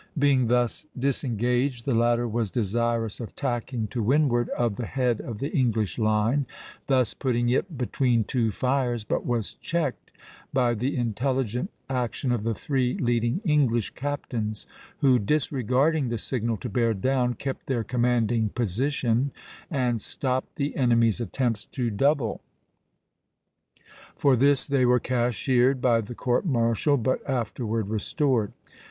Being thus disengaged, the latter was desirous of tacking to windward of the head of the English line, thus putting it between two fires, but was checked by the intelligent action of the three leading English captains, who, disregarding the signal to bear down, kept their commanding position and stopped the enemy's attempts to double. For this they were cashiered by the court martial, but afterward restored.